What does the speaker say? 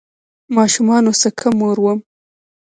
ماشومانو سکه مور وم